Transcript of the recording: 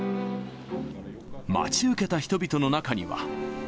待ち受けた人々の中には。